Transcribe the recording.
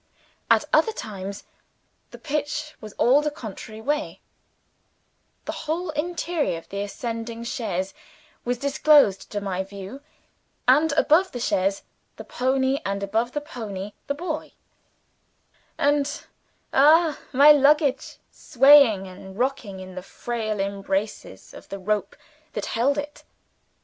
At other times, the pitch was all the contrary way; the whole interior of the ascending chaise was disclosed to my view, and above the chaise the pony, and above the pony the boy and, ah, my luggage swaying and rocking in the frail embraces of the rope that held it.